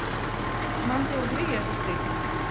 Man pil griesti!